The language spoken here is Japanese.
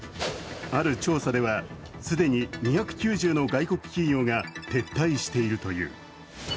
ある調査では既に２９０の外国企業が撤退しているという。